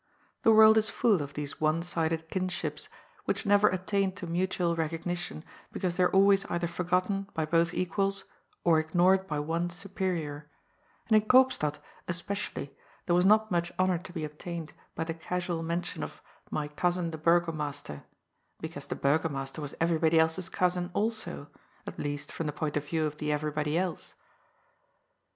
The world is full of these one sided kinships, which never attain to mutual recognition, because they are always either forgotten by both equals or ignored by one superior, and in Koopstad especially there was not much honour to be obtained by the casual men tion of " my cousin the Burgomaster," because the Burgo master was everybody else's cousin also, at least from the point of view of the everybody else.